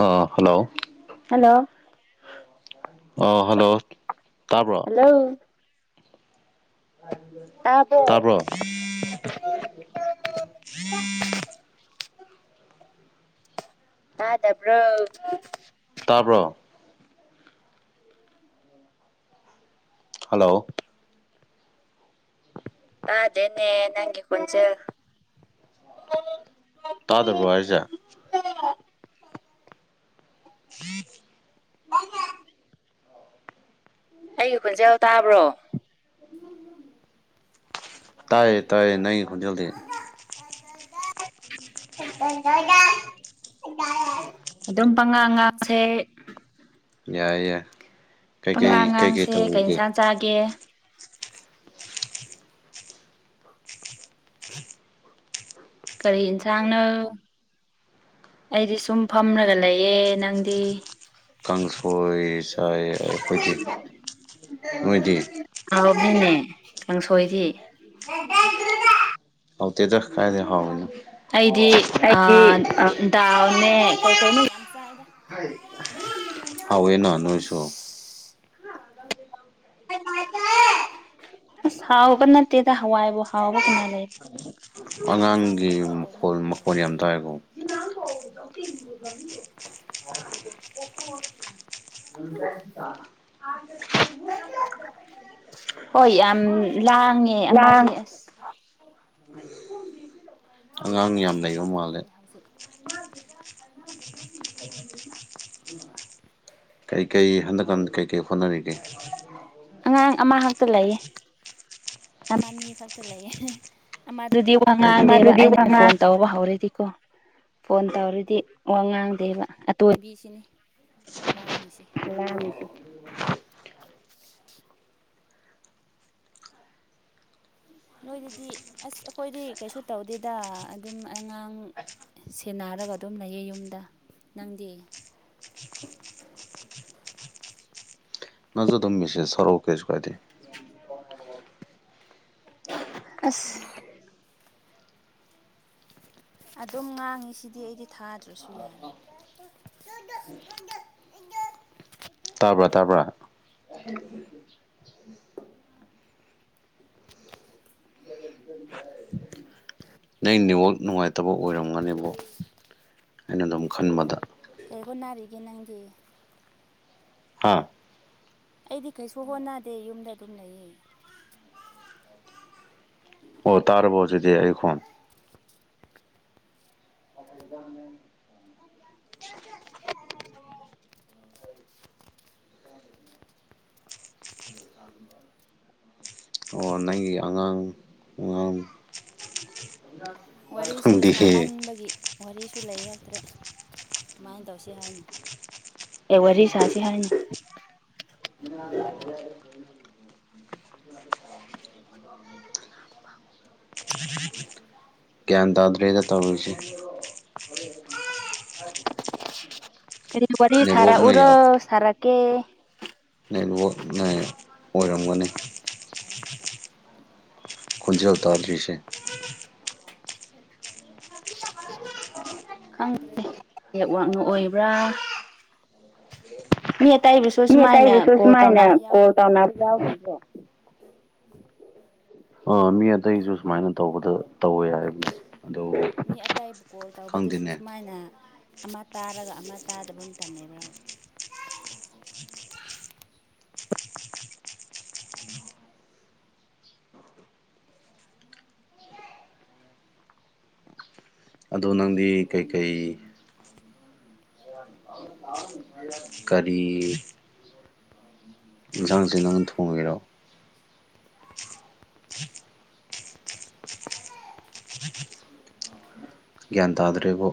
ꯑꯥ hello hello ꯑꯣ hello ꯇꯥꯕ꯭ꯔꯣ hello ꯇꯥꯕ꯭ꯔꯣ ꯇꯥꯕꯔꯣ ꯇꯥꯗꯕꯔꯣ ꯇꯥꯕ꯭ꯔꯣ ꯍꯜꯂꯣ ꯇꯥꯗꯦꯅ ꯅꯪꯒꯤ ꯈꯣꯟꯖꯦꯜ ꯇꯥꯗꯕ꯭ꯔꯣ ꯍꯥꯏꯔꯤꯁꯦ [inaudible] [unintelligible] ꯑꯩꯒꯤ ꯈꯣꯟꯖꯦꯜ ꯇꯥꯕ꯭ꯔꯣ ꯇꯥꯏꯌꯦ ꯇꯥꯏꯌꯦ ꯅꯪꯒꯤ ꯈꯣꯟꯖꯦꯜꯗꯤ [unintelligible] [inaudible] ꯑꯗꯨꯝ ꯄꯥꯉꯥ ꯉꯥꯛꯁꯦ ꯌꯥꯏ ꯌꯥꯏ ꯀꯩꯀꯩ ꯀꯩꯀꯩ ꯄꯉꯥꯡꯉꯥꯡꯁꯦ ꯀꯩ ꯇꯧꯔꯤꯒꯦ ꯌꯦꯟꯁꯥꯡ ꯆꯥꯒꯦ ꯀꯔꯤ ꯌꯦꯟꯁꯥꯡꯅꯣ ꯑꯩꯗꯤ ꯁꯨꯝ ꯐꯝꯔꯒ ꯂꯩꯌꯦ ꯅꯪꯗꯤ ꯀꯥꯡꯁꯣꯏ ꯆꯥꯏ ꯑꯩꯈꯣꯏꯗꯤ ꯅꯣꯏꯗꯤ ꯍꯥꯎꯕꯅꯤꯅꯦ ꯀꯥꯡꯁꯣꯏꯗꯤ ꯍꯥꯎꯇꯦꯗ ꯀꯥꯏꯗꯩ ꯍꯥꯎꯔꯤꯅꯣ ꯑꯩꯗꯤ ꯑ ꯗꯥꯎꯅꯦ ꯀꯩꯀꯩꯅꫭ ꯍꯥꯎꯋꯦꯅ ꯅꯣꯏꯁꯨ ꯑꯁ ꯍꯥꯎꯕ ꯅꯠꯇꯦꯗ ꯍꯋꯥꯏꯕꯨ ꯍꯥꯎꯕ ꯀꯃꯥꯏꯅ ꯑꯉꯥꯡꯒꯤ ꯃꯈꯣꯜ ꯂꯩꯇꯕꯅꯤꯅ ꯎꯄꯥꯏ ꯃꯈꯣꯜ ꯂꯩꯇꯦ ꯌꯥꯝ ꯇꯥꯏꯑꯦꯀꯣ [unintelligible] [unintelligible] ꯍꯣꯏ ꯌꯥꯝ ꯂꯥꯡꯉꯦ ꯑꯃꯁꯦ ꯂꯥꯡ ꯑꯁ [unintelligible] ꯑꯉꯥꯡ ꯑꯗꯨꯒꯤꯅꯦ ꯑꯩ ꯌꯥꯝ ꯂꯩꯕ ꯃꯄꯥꯟ ꯃꯥꯜꯂꯦ ꯊꯣꯛꯑꯦ ꯍꯧꯖꯤꯛ ꯀꯩꯀꯩ ꯍꯟꯗꯛꯅ ꯀꯩꯀꯩ ꯍꯣꯠꯅꯔꯤꯒꯦ ꯑꯉꯥꯡ ꯑꯃꯈꯛꯇ ꯂꯩꯌꯦ ꯑꯃ ꯑꯅꯤ ꯈꯛꯇ ꯂꯩꯌꯦ ꯑꯃꯗꯨꯗꯤ ꯋꯥ ꯉꯥꯡꯗꯦꯕ ꯃꯗꯨꯗꯤ ꯑꯩꯅ ꯋꯥꯉꯥꯡ ꯐꯣꯟ ꯇꯧ ꯋꯥꯍꯧꯔꯗꯤꯀꯣ ꯐꯣꯟ ꯇꯧꯔꯗꯤ ꯋꯥ ꯉꯥꯡꯗꯦꯕ ꯑꯇꯣꯟ ꯕꯤꯁꯤꯅꯤ ꯂꯥꯡꯉꯤꯁꯤ ꯂꯥꯡꯉꯤ ꯇꯨ ꯅꯣꯏꯗꯗꯤ ꯑꯁ ꯑꯩꯈꯣꯏꯗꯤ ꯀꯩꯁꯨ ꯇꯧꯗꯦꯗ ꯑꯗꯨꯝ ꯑꯉꯥꯡ ꯁꯦꯟꯅꯔꯒ ꯑꯗꯨꯝ ꯂꯩꯌꯦ ꯌꯨꯝꯗ ꯅꯪꯗꯤ ꯅꯪꯁꯨ ꯑꯗꯨꯝ ꯃꯤꯁꯦꯁ ꯊꯔꯛ ꯎ ꯀꯩꯁꯨ ꯀꯥꯏꯗꯦ ꯑꯁ ꯑꯗꯨꯝ ꯉꯥꯡꯉꯤ ꯁꯤꯗꯤ ꯑꯩꯗꯤ ꯊꯥꯗ꯭ꯔꯁꯨ ꯌꯥꯔꯒꯦ ꯇꯥꯕ꯭ꯔꯥ ꯇꯥꯕ꯭ꯔꯥ ꯅꯩ ꯅꯦꯠ ꯋꯥꯛ ꯅꯨꯡꯉꯥꯏꯇꯕ ꯑꯣꯏꯔꯝꯒꯅꯦꯕꯣ ꯑꯩꯅ ꯑꯗꯨꯝ ꯈꯟꯕꯗ ꯑꯩ ꯍꯣꯠꯅꯔꯤꯒꯦ ꯅꯪꯗꯤ ꯍꯥ ꯑꯩꯗꯤ ꯀꯩꯁꯨ ꯍꯣꯠꯅꯗꯦ ꯌꯨꯝꯗ ꯑꯗꯨꯝ ꯂꯩꯌꯦ ꯑꯣ ꯇꯥꯔ꯭ꯕꯣ ꯍꯧꯖꯤꯛꯗꯤ ꯑꯩ ꯈꯣꯟ [unintelligible] [unintelligible] ꯑꯣ [inaudible] ꯅꯪꯒꯤ ꯑꯉꯥꯡ ꯑꯉꯥꯡ ꯋꯥꯔꯤꯁꯨ ꯈꯪꯗꯦꯍꯦ ꯁꯥꯃꯟꯕꯒꯤ ꯋꯥꯔꯤꯁꯨ ꯂꯩꯔꯛꯇ꯭ꯔꯦ ꯀꯃꯥꯏ ꯇꯧꯁꯤ ꯍꯥꯏꯅ ꯑꯦ ꯋꯥꯔꯤ ꯁꯥꯁꯤ ꯍꯥꯏꯅ [unintelligible] [inaudible] [unintelligible] ꯒ꯭ꯌꯥꯟ ꯇꯥꯗ꯭ꯔꯦꯗ ꯇꯧꯔꯤꯁꯤ ꯍ ꯍꯥꯏ ꯋꯥꯔꯤꯔꯤ ꯁꯔꯥ ꯎꯔꯣ ꯁꯔꯥ ꯀ ꯅꯦꯠꯋꯥꯛꯅ ꯑꯣꯏꯔꯝꯒꯅꯤ ꯊꯅꯤ ꯄꯣꯠ ꯊꯅꯤ ꯄꯣꯠ ꯑꯃꯗ ꯈꯨꯟꯖꯦꯜ ꯇꯥꯗ꯭ꯔꯤꯁꯦ ꯈꯪꯗ꯭ꯔꯦ ꯅꯦꯛꯋꯥꯛꯅ ꯑꯣꯏꯕ꯭ꯔꯥ ꯃꯤꯃꯤꯝ ꯇꯥꯏ ꯄꯕꯤꯁ ꯃꯤ ꯑ ꯇꯕꯁꯨ ꯁꯨꯃꯥꯏꯅ ꯀꯣꯜ ꯇꯧ ꯌꯥꯣ ꯑ ꯃꯤ ꯑꯇꯩꯁꯨ ꯁꯨꯃꯥꯏꯅ ꯇꯧꯕꯗ ꯇꯧꯋꯦ ꯌꯥꯏ ꯃꯤ ꯑꯇꯥꯏꯕꯨ ꯀꯣꯜ ꯇꯧꯕꯗꯁꯨ ꯈꯪꯗꯦꯅꯦ ꯁꯨꯃꯥꯏꯅ ꯑꯃ ꯇꯥꯔꯒ ꯑꯃ ꯇꯥꯗꯕ ꯑꯃ ꯃꯇꯝ ꯂꯩꯕ꯭ꯔꯕ ꯑꯗꯣ ꯅꯪꯗꯤ ꯀꯩꯀꯩ [unintelligible] ꯀꯔꯤ ꯏꯟꯁꯥꯡꯁ ꯅꯪꯅ ꯊꯣꯡꯉꯦꯔꯣ ꯒ꯭ꯌꯥꯟ ꯇꯥꯗ꯭ꯔꯦꯕꯣ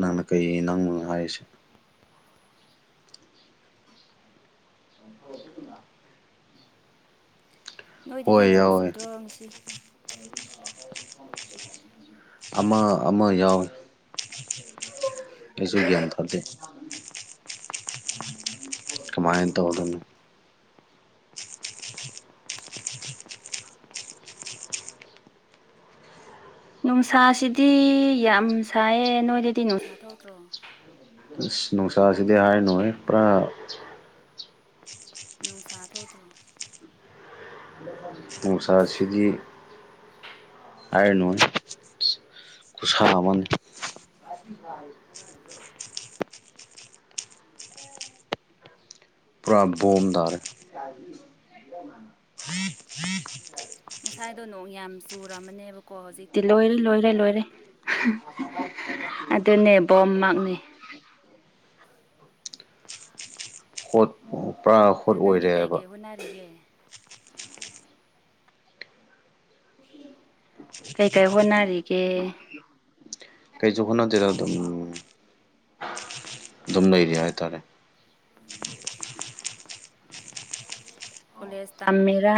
ꯅꯪꯅ ꯀꯩ ꯅꯪꯅꯣ ꯍꯥꯏꯔꯤꯁꯦ ꯅꯣꯏ ꯑꯗꯨꯗꯤ ꯍꯣꯏ ꯅꯣꯡ ꯌꯥꯎꯋꯦ ꯆꯨꯗ꯭ꯔꯣꯁꯤ ꯑꯃ ꯑꯃ ꯌꯥꯎꯏ ꯑꯩꯁꯨ ꯒ꯭ꯌꯥꯟ ꯇꯥꯗꯦ ꯀꯃꯥꯏꯟ ꯇꯧꯗꯣꯏꯅꯣ ꯅꯨꯡꯁꯥꯁꯤꯗꯤ ꯌꯥꯝ ꯁꯥꯏꯌꯦ ꯅꯣꯏꯗꯗꯤ ꯅꯨꯡꯁꯥ ꯊꫭꯛꯗ꯭ꯔꯣ ꯑꯁ ꯅꯨꯡꯁꯥꯁꯤꯗꯤ ꯍꯥꯏꯔꯤꯅꯣꯏ ꯄꯨꯔꯥ ꯅꯨꯡꯁꯥ ꯊꯣꯛꯇ꯭ꯔꯣ ꯅꯨꯡꯁꯥꯁꯤꯗꯤ ꯍꯥꯏꯔꯅꯨꯍꯦ ꯈꯨꯨꯁꯥ ꯑꯃꯅꯤ ꯄꯨꯔꯥ ꯕꯣꯝ ꯗꯥꯔꯦ ꯉꯁꯥꯏꯗꯣ ꯅꯣꯡ ꯌꯥꯝ ꯆꯨꯔꯦ ꯔꯅꯦꯕꯀꯣ ꯍꯧꯖꯤꯛꯇꯤ ꯂꯣꯏꯔꯦ ꯂꯣꯏꯔꯦ ꯂꯣꯏꯔꯦ ꯑꯗꯨꯅꯦ ꯕꯣꯝꯃꯛꯅꯤ ꯄ꯭ꯔ ꯑꯗꯣ ꯅꯪꯗꯤ ꯀꯩꯀꯩ ꯍꯣꯠꯅꯔꯤꯒꯦ ꯀꯩꯀꯩ ꯍꯣꯠꯅꯔꯤꯒꯦ ꯀꯩꯖꯣꯈꯣꯔꯣ ꯑꯗꯨꯝ ꯑꯗꯨꯝ ꯂꯩꯔꯤ ꯍꯥꯏꯇꯥꯔꯦ ꯀꯣꯂꯦꯖ ꯇꯝꯃꯤꯔꯥ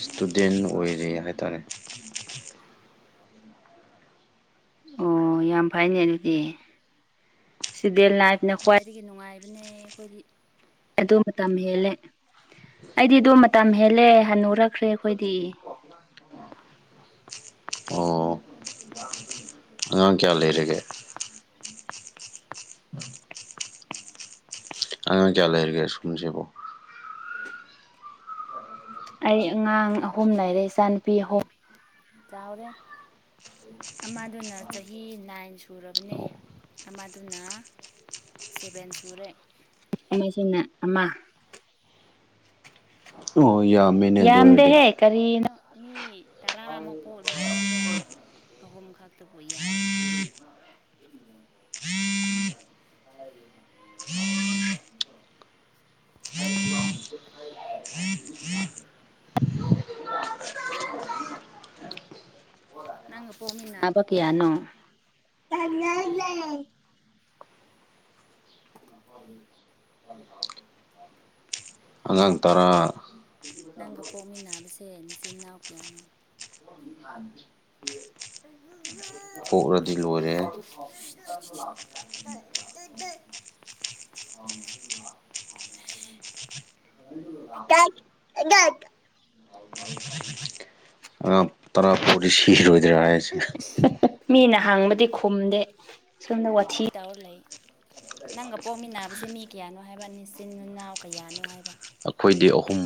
ꯏꯁꯇꯨꯗꯦꯟ ꯑꯣꯏꯔꯦ ꯍꯥꯏꯇꯥꯔꯦ ꯑꯣ ꯌꯥꯝ ꯐꯩꯅꯦ ꯑꯗꯨꯗꯤ ꯁꯤꯗꯦꯜ ꯅꯥꯏꯐꯅ ꯈ꯭ꯋꯥꯏꯗꯒꯤ ꯅꯨꯡꯉꯥꯏꯕꯅꯦ ꯑꯩꯈꯣꯏꯗꯤ ꯑꯗꯨ ꯃꯇꯝ ꯍꯦꯜꯂꯦ ꯑꯩꯗꯤ ꯑꯗꯣ ꯃꯇꯝ ꯍꯦꯜꯂꯦ ꯍꯟꯅꯨꯔꯛꯈ꯭ꯔꯦ ꯑꯩꯈꯣꯏꯗꯤ ꯑꯣ ꯑꯉꯥꯡ ꯀꯌꯥ ꯂꯩꯔꯦꯒꯦ ꯑꯉꯥꯡ ꯀꯌꯥ ꯂꯩꯔꯤꯒꯦ ꯁ꯭ꯀꯨꯜꯁꯤꯕꯨꯣ ꯑꯩ ꯑꯉꯥꯡ ꯑꯍꯨꯝ ꯂꯩꯔꯦ ꯏꯆꯥꯅꯨꯄꯤ ꯑꯍꯨꯝ ꯆꯥꯎꯔꯦ ꯑꯃꯗꯨꯅ ꯆꯍꯤ ꯅꯥꯏꯟ ꯁꯨꯔꯕꯅꯦ ꯑꯗꯨꯅ ꯁꯦꯚꯦꯟ ꯁꯨꯔꯦ ꯑꯃꯁꯤꯅ ꯑꯃ ꯑꯣ ꯌꯥꯎ ꯌꯥꯝꯗꯦꯍꯦ ꯀꯔꯤꯅꯣ ꯃꯤ ꯇꯔꯥꯃꯨꯛ ꯄꯣꯛꯂꯤꯉꯥꯏꯁꯤ ꯁꯤꯗ ꯑꯍꯨꯝ ꯈꯇꯕꯨ ꯌꯥꯝꯃꯤ ꯀꯥꯏꯅ ꯅꯪ ꯄꯃꯤꯕ ꯀꯌꯥꯅꯣ ꯑꯉꯥꯡ ꯇꯔꯥ ꯅꯪꯒ ꯄꯣꯛꯃꯤꯟꯅꯕꯁꯦ ꯅꯆꯤꯟ ꯏꯅꯥꯎ ꯀꯌꯥꯅꯣ ꯖꯃꯝꯃꯝ ꯄꫭꯛꯔꯗꯤ ꯂꫭꯏ ꯎꯔꯦ ꯑ ꯇ ꯑꯦ ꯗꯠ ꯍꯣꯝꯝ ꯑ ꯄꯨꯔꯤꯁꯤꯔꯣꯏꯗ꯭ꯔꯥꯁꯦ ꯃꯤꯅ ꯍꯥꯡꯕꯗꯤ ꯈꯨꯝꯗꯦ ꯁꯣꯝꯗ ꯋꯥꯊꯤ ꯇꯧꯔ ꯂꯩ ꯅꯪꯒ ꯄꯣꯛꯃꯤꯟꯅꯕꯁꯦ ꯃꯤ ꯀꯌꯥꯅꯣ ꯍꯥꯏꯕ ꯅꯆꯤꯟ ꯅꯅꯥꯎ ꯀꯌꯥꯅꯣ ꯍꯥꯏꯕ ꯑꯩꯈꯣꯏꯗꯤ ꯑꯍꯨꯝ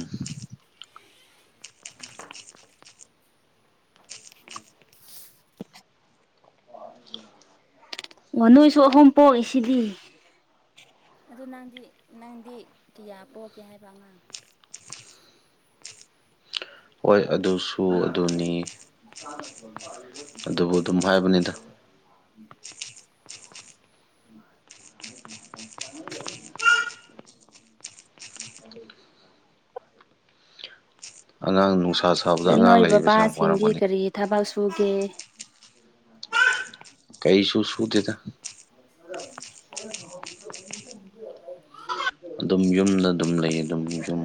ꯋꯥ ꯅꯣꯏꯁꯨ ꯑꯍꯨꯝ ꯄꯣꯛꯏ ꯁꯤꯗꯤ ꯑꯗꯨ ꯅꯪꯗꯤ ꯅꯪꯗꯤ ꯀꯌꯥ ꯄꯣꯛꯀꯦ ꯍꯥꯏꯕ ꯑꯉꯥꯡ ꯍꯣꯏ ꯑꯗꯨꯁꯨ ꯑꯗꯨꯅꯤ ꯑꯗꯨꯕꯨ ꯑꯗꯨꯝ ꯍꯥꯏꯕꯅꯤꯗ ꯑꯉꯥꯡ ꯅꯨꯡꯁꯥ ꯁꯥꯕꯗ ꯑꯉꯥꯡ ꯅꯣꯏ ꯂꯩꯕꯁꯦ ꯌꯥꯝ ꯕꯕꯥꯁꯤꯡꯗꯤ ꯋꯥꯔꯝꯒꯅꯤ ꯀꯔꯤ ꯊꯕꯛ ꯁꯨꯒꯦ ꯀꯩꯁꯨꯨ ꯁꯨ ꯗꯦꯗ ꯑꯗꯨꯝ ꯌꯨꯝꯗ ꯑꯗꯨꯝ ꯂꯩ ꯑꯗꯨꯝ ꯌꯨꯝ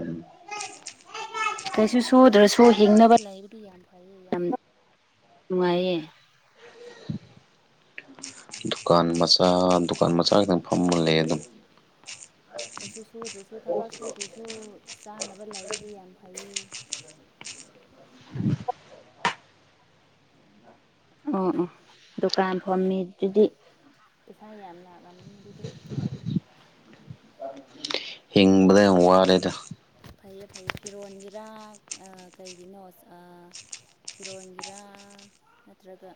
ꯀꯩꯁꯨ ꯁꯨꯗ꯭ꯔꯁꯨ ꯍꯤꯡꯅꯕ ꯂꯩꯕꯗꯤ ꯌꯥꯝ ꯐꯩꯌꯦ ꯌꯥꯝ ꯅꯨꯡꯉꯥꯏꯌꯦ ꯗꯨꯀꯥꯟ ꯃꯆꯥ ꯗꯨꯀꯥꯟ ꯃꯆꯥ ꯈꯤꯇꯪ ꯐꯝꯃ ꯂꯩꯌꯦ ꯑꯗꯨꯝ ꯀꯩꯁꯨ ꯁꯨꯗ꯭ꯔꯁꯨ ꯊꯕꯛ ꯁꯨꯗ꯭ꯔꯁꯨ ꯆꯥꯅꯕ ꯂꯩꯕꯗꯤ ꯌꯥꯝ ꯐꯩ ꯑꯣ ꯑꯣ ꯗꯨꯀꯥꯟ ꯐꯝꯃꯤ ꯑꯗꯨꯗꯤ ꯏꯁꯥ ꯌꯥꯝ ꯂꯥꯛꯂꯝꯃꯤꯅꯤ ꯑꯗꯨꯗꯤ ꯍꯤꯡꯕꯗ ꯌꯥꯝ ꯋꯥꯔꯦꯗ ꯐꯩꯌꯦ ꯐꯩꯌꯦ ꯐꯤꯔꯣꯟꯒꯤꯔꯥ ꯀꯩꯒꯤꯅꯣ ꯐꯤꯔꯣꯟꯒꯤꯔꯥ ꯅꯠꯇ꯭ꯔꯒ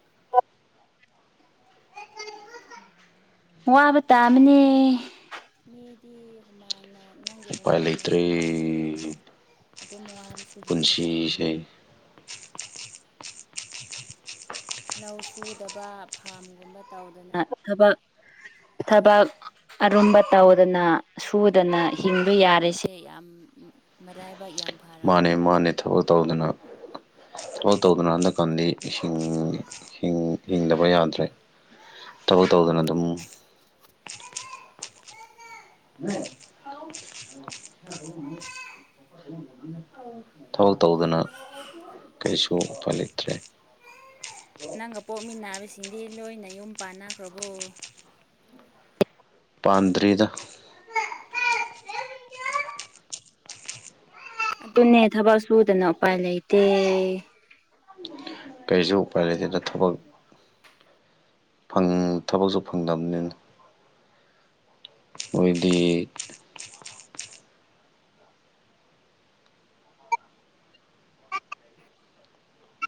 ꯋꯥꯕ ꯇꯥ ꯃꯅꯤ ꯃꯤꯗꯤ ꯍꯨꯃꯥꯡꯅ ꯅꯪꯒꯤ ꯎꯄꯥꯏ ꯍꯨꯃꯥꯡꯅ ꯂꯩꯇ꯭ꯔꯦ ꯍꯤꯡꯉꯣ ꯍꯥꯏꯔꯕꯅꯤꯅ ꯑꯗꯨꯝ ꯋꯥꯔꯤꯁꯦ ꯄꯨꯟꯁꯤꯁꯦ ꯂꯧ ꯁꯨꯗꯕ ꯐꯥꯝꯒꯨꯝꯕ ꯇꯧꯗꯅ ꯊꯕꯛ ꯊꯕꯛ ꯑꯔꯨꯝꯕ ꯇꯧꯗꯅ ꯁꯨꯗꯅ ꯍꯤꯡꯕ ꯌꯥꯔꯤꯁꯦ ꯌꯥꯝ ꯃꯔꯥꯏꯕ ꯌꯥꯝ ꯃꯥꯅꯦ ꯐꯔꯕꯅꯤ ꯃꯥꯅꯦ ꯊꯕꯛ ꯇꯧꯗꯅ ꯍꯣꯜ ꯇꯧꯗꯅ ꯍꯟꯗꯛꯀꯥꯟꯗꯤ ꯍꯤꯡꯗꯕ ꯌꯥꯗ꯭ꯔꯦ ꯊꯕꯛ ꯇꯧꯗꯅ ꯑꯗꯨꯝ ꯎꯝ ꯑꯥꯎ ꯑꯧ ꯊꯕꯛ ꯇꯧꯗꯅ ꯀꯩꯁꯨ ꯄꯂꯛꯇ꯭ꯔꯦ ꯅꯪꯒ ꯄꯣꯛꯃꯤꯟꯅꯕꯁꯤꯡꯗꯤ ꯂꯣꯏꯅ ꯌꯨꯝ ꯄꯥꯟꯅꯈ꯭ꯔꯕꯣ ꯄꯥꯟꯗ꯭ꯔꯤꯗ ꯑꯗꯨꯅꯦ ꯊꯕꯛ ꯁꯨꯗꯅ ꯎꯄꯥꯏ ꯂꯩꯇꯦ ꯀꯔꯤꯁꯨ ꯎꯄꯥꯏ ꯂꯩꯇꯦꯅ ꯊꯕꯛ ꯪ ꯊꯕꯛꯁꯨ ꯐꯪꯗꯕꯅꯤꯅ ꯑꯣꯏꯗꯤ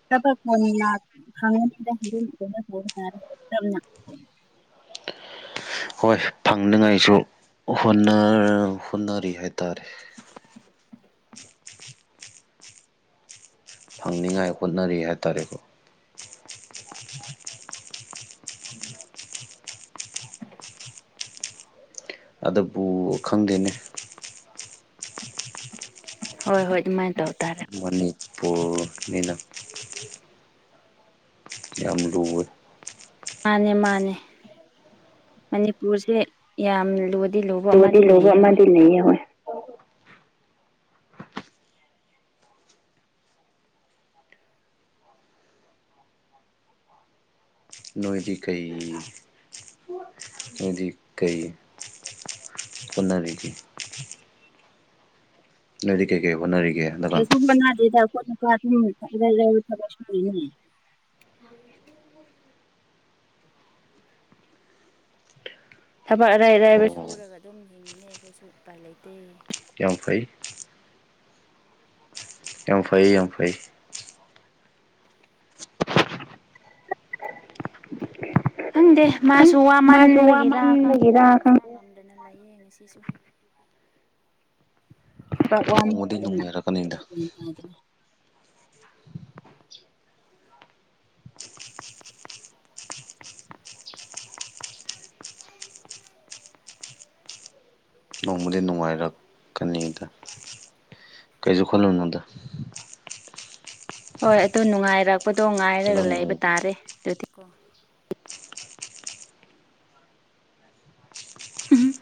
ꯇ ꯐꯣꯟ ꯈꯪꯝꯅ ꯍꯣꯏ ꯐꯪꯅꯤꯉꯥꯏꯁꯨ ꯍꯣꯠꯅꯔꯤ ꯍꯥꯏꯇꯥꯔꯦ ꯐꯪꯅꯤꯉꯥꯏ ꯍꯣꯠꯅꯔꯤ ꯍꯥꯏꯇꯥꯔꯦꯀꯣ ꯖꯃꯃꯝ ꯑꯗꯨꯕꯨ ꯈꯪꯗꯦꯅꯦ ꯍꯣꯏ ꯍꯣꯏ ꯑꯗꯨꯃꯥꯏꯅ ꯇꯧꯔ ꯃꯅꯤꯄꯨꯔꯅꯤꯅ ꯌꯥꯝ ꯂꯨꯋꯦ ꯃꯥꯅꯦ ꯃꯥꯅꯦ ꯃꯅꯤꯄꯨꯔꯁꯦ ꯌꯥꯝ ꯂꯨ ꯗꯤ ꯂꯧꯕ ꯑꯃꯗꯤ ꯂꯩꯌ ꯍꯣꯏ ꯅꯤꯈꯣꯏ ꯅꯣꯏꯗꯤ ꯀꯩ ꯅꯣꯏꯗꯤ ꯀꯩ ꯀꯨꯟꯅꯔꯤꯗꯤ ꯅꫭꯏꯗꯤ ꯀꯩꯀꯩ ꯍꯣꯠꯅꯔꯤꯒꯦ ꯍꯟꯗꯛꯀꯥꯟ [unintelligible] [inaudible] [unintelligible] ꯊꯕꯛ ꯑꯔꯩ ꯑꯔꯩꯕ ꯑꯣ ꯁꯨꯔꯒ ꯑꯗꯨꯝ ꯍꯤꯡꯉꯟꯅꯩ ꯑꯩꯈꯣꯏꯁꯨ ꯎꯄꯥꯏ ꯂꯩꯇꯦ ꯌꯥꯝ ꯐꯩ ꯌꯥꯝ ꯐꯩꯌꯦ ꯌꯥꯝ ꯐꯩ ꯈꯪꯗꯦ ꯃꯥꯁꯨ ꯋꯥ ꯃꯥꯁꯨ ꯃꯥꯟꯕꯒꯤꯔ ꯈꯪꯗꯦ ꯋꯥꯃꯟꯕꯒꯤꯔ ꯈꯪꯗꯦ ꯌꯦꯡꯉꯦ ꯁꯤꯁꯨ ꯊ ꯅꯣꯡꯃꯗꯤ ꯋꯥꯃꯤꯗꯅ ꯅꯨꯡꯉꯥꯏꯔꯛꯀꯅꯤꯗ ꯅꯣꯡꯃꯗꯤ ꯅꯨꯡꯉꯥꯏꯔꯛꯀꯅꯤꯗ ꯀꯩꯁꯨ ꯈꯜꯂꯨꯅꯨꯗ ꯍꯣꯏ ꯑꯗꯨ ꯅꯨꯡꯉꯥꯏꯔꯛꯄꯗꯣ ꯉꯥꯏꯔꯒ ꯂꯩꯕ ꯈꯜꯂꯝꯅꯨꯗ ꯇꯥꯔꯦ ꯑꯗꯨꯗꯤ ꯎꯝ